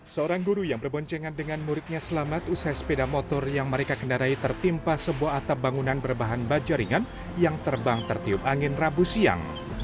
seorang guru yang berboncengan dengan muridnya selamat usai sepeda motor yang mereka kendarai tertimpa sebuah atap bangunan berbahan baja ringan yang terbang tertiup angin rabu siang